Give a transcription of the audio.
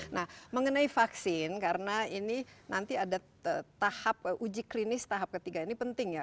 nah mengenai vaksin karena ini nanti ada tahap uji klinis tahap ketiga ini penting ya